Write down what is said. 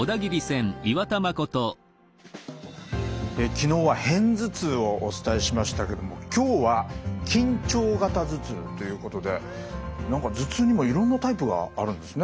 昨日は片頭痛をお伝えしましたけども今日は緊張型頭痛ということで何か頭痛にもいろんなタイプがあるんですね。